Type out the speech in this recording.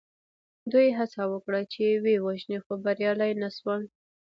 دوی هڅه وکړه چې ویې وژني خو بریالي نه شول.